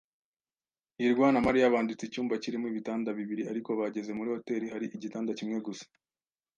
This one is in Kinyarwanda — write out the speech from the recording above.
hirwa na Mariya banditse icyumba kirimo ibitanda bibiri, ariko bageze muri hoteri, hari igitanda kimwe gusa.